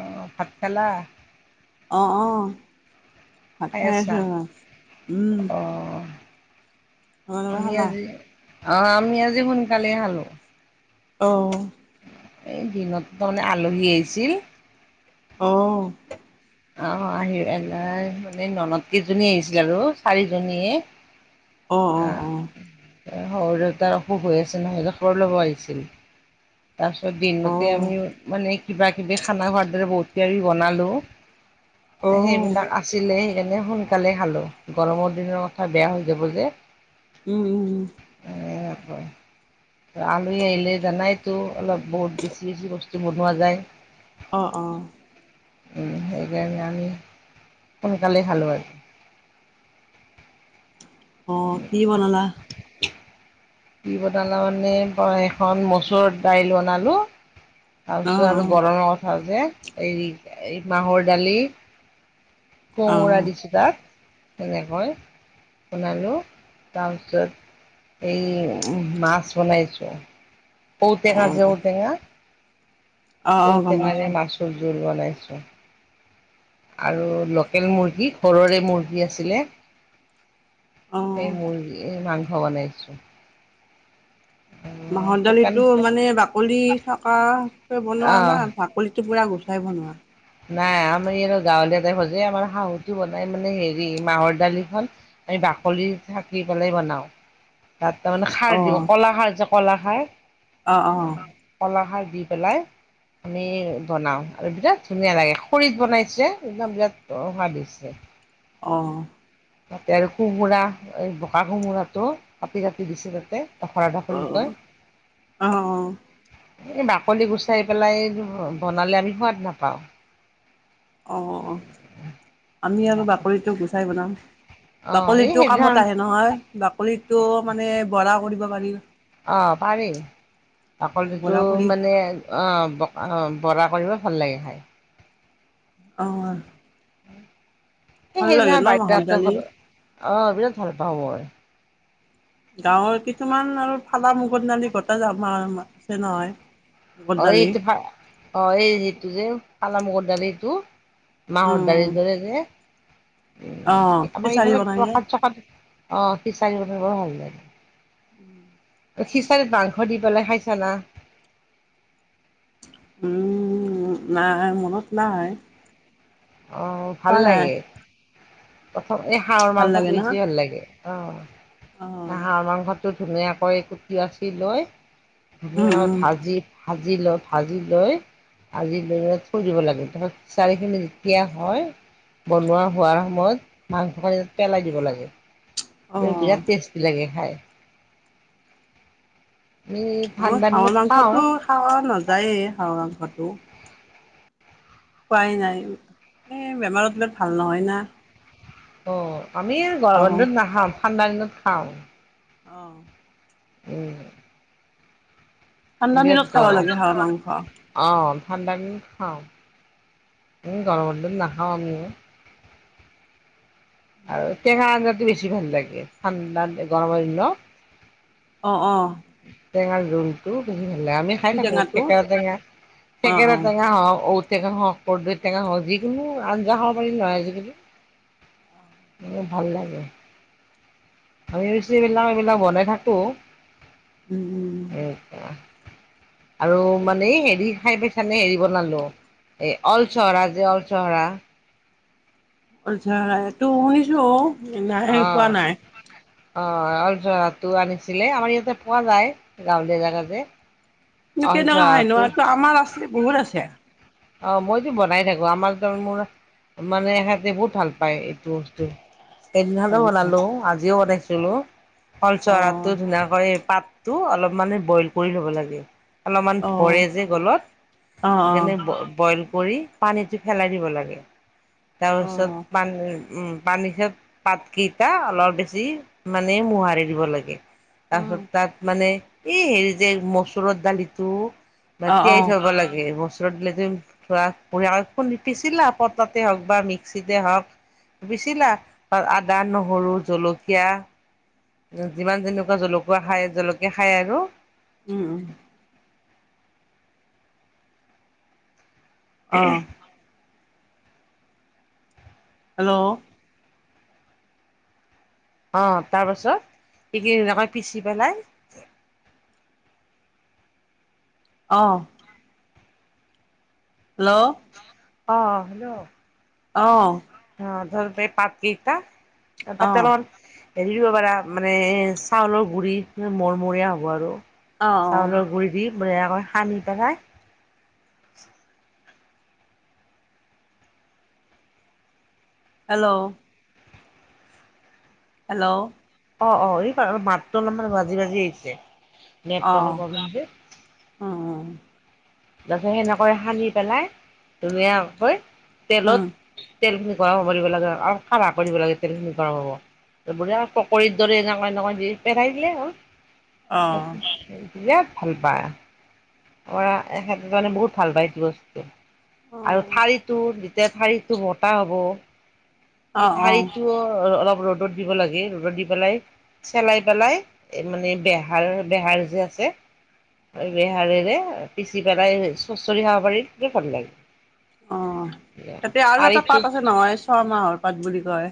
অ', ভাত খালা? অ', অ' ভাত খাই আছো ৰবা। উ'ম। অঁ তোমালোকে খালা? অ', আমি আজি সোনকালে খালো। অ'। এই দিনত তাৰমানে আলহী আহিছিল। আহ আহ আহি এলাই মানে ননত কেইজনী আহিছিল আৰু চাৰিজনীয়ে অ- অ -অ সৰু দেউতাৰ অসুখ হৈ আছে নহয় খৰ ল'ব আহিছিল তাৰপিছত অ দিনতে আমি মানে কিবা কিবি খানা খোৱাৰ দৰে বহুত দেৰি বনালো অ সেইবিলাক আছিলেই। এনে সোনকালে খালো গৰমৰ দিনৰ কথা বেয়া হৈ যাব যে। উম -উম উ আলহী আহিলে জানাইতো অলপ বহুত বেছি বেছি বস্তু। বনোৱা যায়। অহ অ' উম, আছে। আমি সোনকালে খালো আৰু অ' কি বনালা দি বনালা মানেই এখন মচুৰ দাইল বনালো। অ তাৰপিছত আৰু গৰমৰ কথা যে এই মাহৰ দালি। অ অ কোমৰা দিছেো তাত। তেনেকৈ বনালোঁ তাৰপিছত এই উম মাছ বনাইছো অ ঔটেঙা যে ঔটেঙা অ অ ঔ অ গম তে কাৰে পাইছো মছুৰ জোৰ বলাইছো আৰু লোকেল মুৰ্গী ঘৰৰে মুৰ্গী আছিলে অ সেই মুৰ্গী মাংস বনাইছো মাহৰ দালি মানে বাকলি থকে বনোৱা অ', না বাকলি পুৰা গুচাই বনোৱা। নাই আমি আৰু গাঁৱলীয়া টাইপজায় আমাৰ শাহুটো বনাই মানে হেৰি মাহৰ দালিখন। বাকলি থাকি পেলাই বনাওঁ তাত তাৰমানে অ খাৰ দিওঁ কলা খাৰ যে কলা খাৰ। অ ' অ ' কলা খাৰ দি পেলাই আমি বনাওঁ আৰু ভিতৰত। ধুনীয়া লাগে খৰিত বনাইছে একদম বিৰাট সাদ হৈছে। অ' তাতে আৰু কোমোৰা এই বোকা কোমোৰাটো কাপি কাটি দিছে তাতে। পখৰা অ পাখৰী অ অ কয় এই বাকলি গুচাই পেলাই বনালে আমি সোৱাদ নাপাও। অ -অ আমি আৰু বাকৰিটো গুচাই বনাম অ এই বাকলিতো সেইদিনা কামত আহে নহয় বাকলিতো মানে বৰা কৰিব। পাৰি। অ' পাৰি বাকলটো বৰা কৰি মানে অ বকা অ বৰা কৰিব ভাল লাগে খাই। অ' ভাল সেইদিনা লাগে ন মাহৰ দালি বাৰি আহ বিৰাট ভাল পাওঁ গাঁৱৰ কিছুমান আৰু ফালা মুগট নালি ঘটা যছে নহয়। মুগৰ অ' দালি এইটো অ 'এই এইটো যে ফালা মগৰডাল এইটো মাহৰ উম দাৰি ধৰে যে। অ উ আমাৰ খিচাৰি ইফালে বনাই যে প্ৰসাদ চসাদ অ সিচাৰি বৰ ভাল লাগে। উম। খিচাৰিত মাংস দি পেলাই খাইছ না। উম নাই মনত নাই। অ' ভাল খোৱা নাই লাগে প্ৰথম এই হাঁহৰ ভাল লাগে মাংসটো ন বেছি ভাল লাগে অঁ অ হ হাঁহ মাংসটো ধুনীয়াকৈ কুটি আচি লৈ উম আৰু উম ভাজি ভাজি লৈ ভাজি লৈ ভাজি লৈ থৈ দিব লাগে তাৰপত চাৰিখিনি। সেয়া হয় বনোৱা হোৱাৰ সময়ত মাংসখিনি তাত পেলাই দিব লাগে অ বিৰাট টেষ্টি লাগে খাই। আমি অ, ঠাণ্ডা হাঁহৰ দিনত খাওঁ মাংসটো খহ নাযায়েই হাঁহৰ মাংসটো। পোৱাই নাই এ বেমাৰত বিলাক ভাল নহয় না। অ', আমি হাঁহ গৰমান দিনত নাখাাম ঠাণ্ডা দিনত খাওঁ। অ'। উম। ঠাণ্ডা বিৰাট দিনত খাব গৰম লাগে হাঁহ মাংস। অ'। ঠাণ্ডা দিন খাওঁ গৰমৰ দিন নাখাওঁ আমিও। আৰু টেঙা আঞ্জাতো বছি ভাল লাগে ঠাণ্ডা গৰমৰ দ অ', অ'। টেঙা যুলটো উম। আমি খাই পুঠি থাকো টেঙাটো থেকেৰা টেঙা অ', থেকেৰা অ'। টেঙা হ হওক কৰদৈ টেঙা হওক যিকোনো আঞ্জা খাব পাৰি নহয় আজিকালি। ম ভাল লাগে আমি ৰুচিবিলাক এইবিলাক বনাই থাকো। উম, উম। [unintelligible] আৰু মানে হেৰি খাই বছি মানে হেৰি বনালো এই অল চহৰা যে অল চহৰা। তো শুনিছো অ নাই সে খোৱা অ'। নাই। অ', অল চহৰাটো আনিছিলে আমাৰ ইয়াতে পোৱা যায় গাঁৱলীয়া জেগাতে। ত কেনেকুৱা হয় নহ তো আমাৰ আছে বহুত আছে। অ', মইতো বনাই থাকো আমাৰ মোৰ মানে এহেঁতে বহুত ভাল পায় এইটো বস্তু। এইদিনখনো হয় নেকি? বনালো আজিও বনাইছিলো কল চহৰা অ', ধুনীয়াকৈ পাত টো অলপ মানে বইল কৰি ল'ব লাগে। অলপমান ভৰে অ', যে গলত অ', অ', সেইকাৰণে বইল কৰি পানীটো পেলাই দিব লাগে তাৰপিছত অ'। পান উম পানীৰ পাত কেইটা অলপ বেছি মানে মোহাৰি দিব লাগে। তাৰপিছত অ', তাত মানে এই হেৰি যে মচুৰৰ দালিটো বা অ', অ তিয়াই থব লাগে মচলত দিলে টো [unintelligible] নি পিচালা পটাতে হওক বা মিক্সিতে হওক। পিচিলা আদা, নহৰু, জলকীয়া যিমান যেনেকুৱা জলকোৱা খায় জলকীয়া খায় আৰু। উম উম। অ'। হেল্ল' অ', তাৰ পাছত সেইখিনি এনেকৈ পিচি পেলাই অ' হেল্ল' অ ', হেল্ল' অ'। অ', ধৰ পাত কেইটা অ', পাতল দিদিব পৰা মানে চাউলৰ গুৰি মৰমৰীয়া হ'ব আৰু। অ', চাউলৰ গুৰি দি বঢ়িয়াকৈ সানি পেলাই হেল্ল' হেল্ল' অ', অ', এই বাৰ মাতটো অলপমানান ভাজি ভাজি আহছে নেটৰ্কৰ অ', প্ৰব্লেম। উম, উম, তাৰিছত সেনেকৈ সানি পেলাই ধুনীয়াকৈ উম, তেলত তেল খিনি গৰম হ'ব দিব লাগে আৰু সাা কৰিব লাগে তেল খিনি গৰম হ'ব। পকৰীৰ দৰি এনেকুৱা এনেকুৱা দি পেলাই দিলে হ'ল। অ'। তি বিৰাট ভাল পাই। এজনে বহুত ভাল পায় সিটো বস্তু অ আৰু ঠাৰিটো। তেতিয়া ঠাৰিটো মতা হ'ব অ সেই অ ঠাৰিটো অলপ। ৰ'দত দিব লাগে ৰ'দত দি পেলাই চেলাই পেলাই মানে বেহাৰ বেহাৰ যে আছে। বেহাৰেৰে পিচি পেলাই চুচৰি খাব পাৰি বিৰাট ভাল লাগে। অ তাতে আৰু এটা ঠাৰিটো পাত আছে নহয় ছমাহৰ পাত বুলি কয়।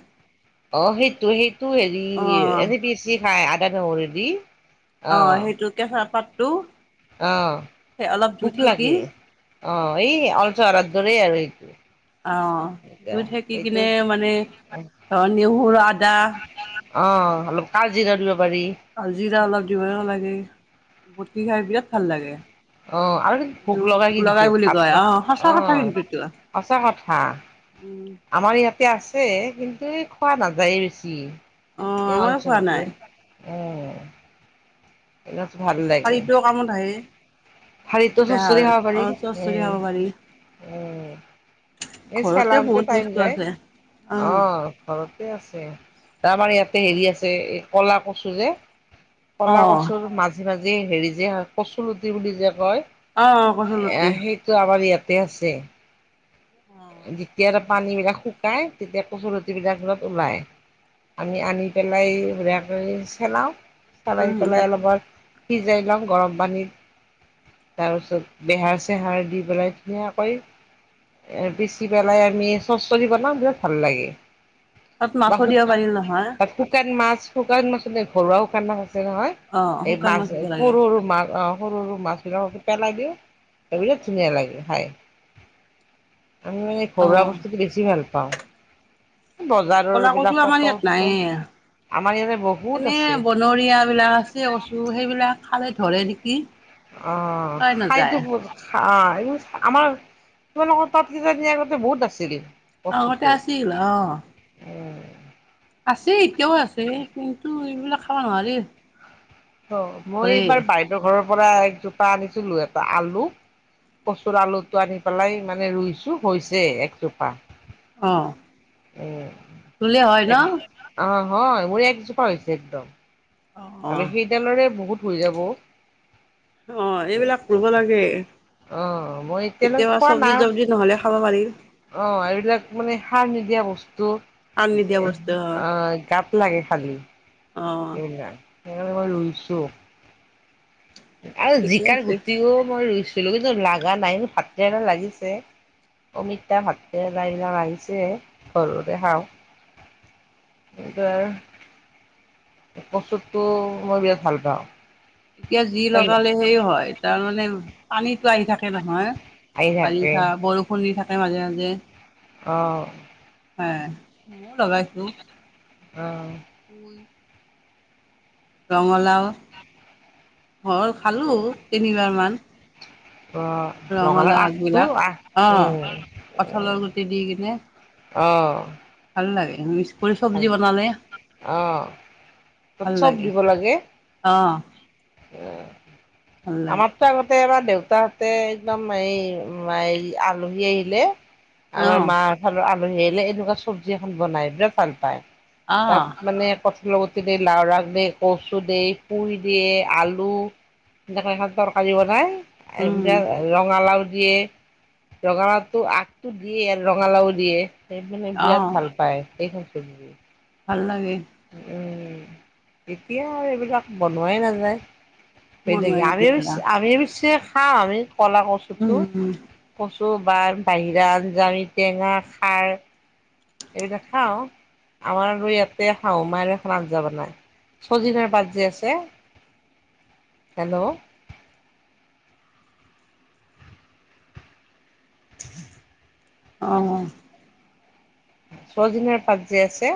অ সেইটো সেইটো হেৰি অ এনে পিছি খাই আদা নহৰু দি। অ সেইটো কেঁচা পাতটো। অ সেই অলপ জুই খুব সেকি লাগে অ এই অলচাৰ দৰে আৰু এইটো। আহ দুই থাকি কিনে মানে অ নহৰু আদা। অ অলপ কাজি ক দিব। পাৰি। কালজিৰা অলপ দিব লাগে বটি খাই বিৰাট ভাল লাগে। অ আৰু কি এইটো ভোক লগাই কিন্তু বুলি হাত কয় অ তাত সঁচা অ। কথা কিন্তু এইটো সঁচা কথা উম আমাৰ ইয়াতে আছে কিন্তু খোৱা নাযায়েই বেছি। অ কি আমাৰো খোৱা আলচলিটো নাই উম। এই। ঠাৰীটো কামত আহে। ঠাৰীতো চৰ বেহাৰ চৰি খাব অ পাৰি চচৰি খাব পাৰি উম উম। এই ঘৰতে চেলায়তে বহুত টাইম বস্তু যায় আছে অ ঘৰত। আছে আমাৰ ইয়াতে হেৰি আছে এই কলা কচু যে। কলা অ', কচুৰ মাজে মাজে হেৰি যে কচলুটি বুলি যে কয়। অ', কঁঠালগুটি এ সেইটো আমাৰ ইয়াতে আছে। উম, যেতিয়া পানী বিলাক শুকাই তেতিয়া কচুলতি বিলাক ওলাই। আমি আনি পেলাই কৰি চেলাওঁ চেলাই পেলাই উম। অলপ। সিজাই লওঁ গৰম পানীত। তাৰ পিছত বেহাৰ চেহাৰ দি পেলাই ধুনিয়াকৈ এ। পেচি পেলাই আমি চৰচলি বনাও বিৰাট ভাল লাগে। তাত বা মাছো দিব পাৰি নহয় শুকান মাছ। শুকান মাছৰ যে ঘৰুৱা শুকান মাছ আছে নহয় অ', এই শুকান মাছ দিব লাগে সৰু সৰু মাছ অ। সৰু সৰু মাছবিলাককো পেলাই দিওঁ [unintelligible] ধুনীয়া লাগে খাই। আমি মানে ঘৰুৱা অ'। বস্তুটো বেছি ভাল পাওঁ। বজাৰৰ কলা কচু এইবিলাক আমাৰ পটল ইয়াত চটল আমাৰ ইয়াতে নাইয়ে। বহুত এনে আছে বনৰীয়া বিলাক আছে কচু সেইবিলাক খালে ধৰে নেকি। অ পাই খাই। [unintelligible] অ নাযায়। এইবোৰ আমাৰ তোমালোকৰ তাত কিজানি আগতে বহুত আাছিল। অ আগতে আছিল। আছে এতিয়াও আছে কিন্তু এইবিলাক খাব নোৱাৰি। অ মই ধৰে এইবাৰ বাইদেউ ঘৰৰ পৰা এক জোপা আনিছিলো এটা আলু। কচুৰ আলুটো আনি পেলাই মানে ৰুইছোঁ হৈছে একজোপা। অহ। উম অ হয় মোৰ একজোপা হৈছে একদম। আমি অ'। সেইডালৰে বহুত হৈ যাব। অ এইবিলাক কৰিব লাগে। অ' মই এতিয়ালৈ কেতিয়াবা খোৱা চব্জি নাই টবজি নহ'লে খাব পাৰি। অ এইবিলাক মানে সাৰ নিদিয়া বস্তু। সাৰ নিদিয়া এহ বস্তু অ', গাত লাগে খালি। অ'। এম আ সেইকাৰণে মই ৰুইছোঁ। আৰু ঠিকে জিকাৰ আছে গুটিও মই ৰুইছিলোঁ কিন্তু লাগা নাই ভাতকেৰেলা লাগিছে। অমিতা ভাটকেৰেলা এইবিলাক লাগিছে ঘৰৰে খাওঁ। কচুটো মই বিৰাট ভাল পাওঁ। এতিয়া যি লগালে সেইয়ে হয় তাৰমানে পানী। টো আহি থাকে নহয়, আহি থাকে বাৰিষা বৰষুণ দি থাকে মাজে মাজে। অহ। হে মইয়ো লগাইছো। অহ। পুই ৰঙালাও, ঘৰৰ খালো তিনিবাৰ মান। অহ, ৰঙালাওৰ ৰঙালাও আগটো-আগ উম। কঁঠালৰ গুটি দি কিনে। অহ। ভাল লাগে মিক্স কৰি চব্জি বনালে, অ', তাত ভাল চব লাগে অহ। উম, লাগে আমাৰতো আগতে এবাৰ দেউতাহঁতে একদম এই ওম আলহী আহিলে অ আমাৰ মাৰ ফালৰ আলহী আহিলে এনেকুৱা চব্জি এখন বনাই বিৰাট ভাল পায়। অ তাত মানে কঁঠালৰ গুটি দিয়ে লাওৰ আগ দিয়ে কচু দিয়ে পুই দিয়ে। আলু এনেকুৱাকে এখন তৰকাৰী বনাই, এ উম বিৰা ৰঙালাও দিয়ে ৰঙালাওটো আগটো দিয়ে আৰু ৰঙালাও দিয়ে। এই মানে অ বিৰাট ভাল পায় এইখন চব্জি। ভাল লাগে। উম, এতিয়া আৰু এইবিলাক বনোৱাই নাযায়। বনোৱাই [unintelligible] আমি পিছ আমি পিছে খাওঁ আমি কলা কচুটো, উম উম কচু আৰু বাৰ বাহিৰা আঞ্জা আমি টেঙা খাৰ এইবিলাক খাওঁ। আমাৰ আৰু ইয়াতে শাহু মাই আৰু এখন আঞ্জা বনাই। সজিনাৰ পাত যে আছে। হেল্ল। [inaudible] অহ। সজিনাৰ পাত যে আছে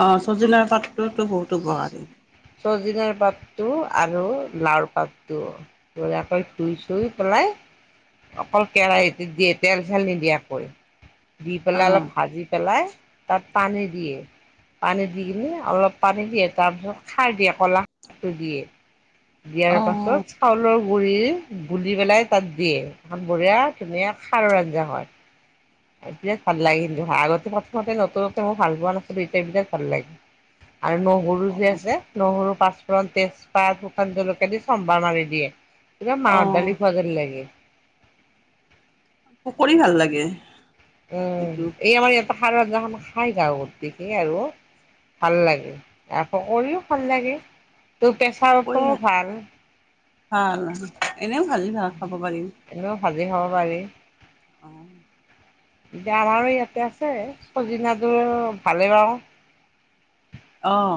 অহ সজিনাৰ পাতটোতো বহুতো উপকাৰী। সজিনাৰ পাতটো আৰু লাওৰ পাতটো ধুনীয়াকৈ ধুই চুই পেলাই। অকল কেৰাহীতে দিয়ে তেল চেল নিদিয়াকৈ। দি পেলাই অলপ অ', ভাজি পেলাই তাত পানী দিয়ে, পানী দি কিনে অলপ পানী দিয়ে তাৰ পিছত খাৰ দিয়ে ক'লা খাৰটো দিয়ে, দিয়াৰ অ'। পাছত চাউলৰ গুৰিৰ গুলি পেলাই তাত দিয়ে, এখন বঢ়িয়া ধুনীয়া খাৰৰ আঞ্জা হয়। বিৰাট ভাল লাগে কিন্তু খাই, আগতে প্ৰথমতে নতুন নতুন মই ভাল পোৱা নাছিলো এতিয়া বিৰাট ভাল লাগে। আৰু নহৰু যে অ', আছে নহৰু পাঁচ ফূৰণ, তেজপাত, শুকান জলকীয়া দি চম্ভাৰ মাৰি দিয়ে, পুৰা অ মাহৰ দালি খোৱাৰ দৰে লাগে। পকৰি ভাল লাগে উম, এইটো এই আমাৰ ইয়াত খাৰৰ আঞ্জাখন খাই থাকো গতিকে আৰু। ভাল লাগে আকৌ কৰিও ভাল লাগে। তোৰ প্ৰেছাৰতো ভাল [unintelligible] ভাল এনেও ভালেই বাৰু খাব পাৰিম। এনেও ভাজি খাব পাৰি। অ' এতিয়া আমাৰো ইয়াতে আছে। চজিনাযোৰ ভালেই বাৰু। আহ,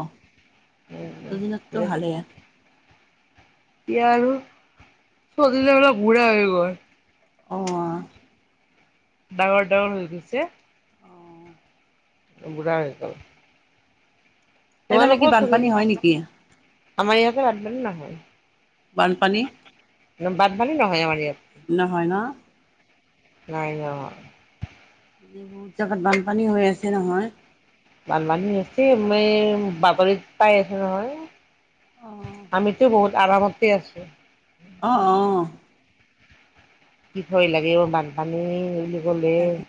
দুদিনততো ভালেই। ইয়াৰো চদিলে বুঢ়া হৈ ঘৰ। অ' ডাঙৰ-ডাঙৰ হৈ গৈছে। বুঢ়া হৈ কাল। সেইফালে কি তোমালোকেও চ বানপানী হয় নেকি আমাৰ ইয়াতে বব নহ বানপানী। মান বাদ ভালী নহয় আাৰ ইয়াত। নহ ন? নাই। এই বহুত জোগাত বানপানী হৈ আছে নহয়। বান বানী হৈছে মই বাপৰিত পাই আছো নহয়। অ', আমিতো বহুত আমতেই আছো। আহ। আহ। কি থয় লাগে অ বানপানী বুলি ভয় কলে। লাগে।